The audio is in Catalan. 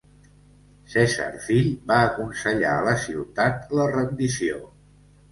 Cèsar Fill va aconsellar a la ciutat la rendició.